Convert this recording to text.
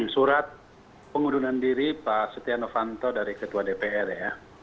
surat pengunduran diri pak setia novanto dari ketua dpr ya